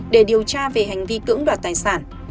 để điều tra về hành vi cưỡng đoạt tài sản